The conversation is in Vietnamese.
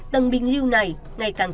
tầng bình lưu này ngày càng